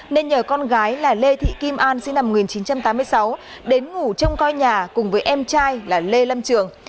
nên nhờ con gái là lê thị kim an sinh năm một nghìn chín trăm tám mươi sáu đến ngủ trông coi nhà cùng với em trai là lê lâm trường